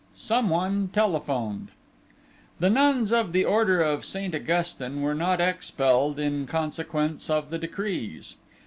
XIV SOMEONE TELEPHONED The nuns of the order of Saint Augustin were not expelled in consequence of the Decrees.